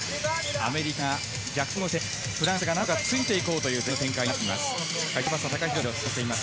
アメリカが逆転をしてフランスがなんとかついていこうという前半の展開になっています。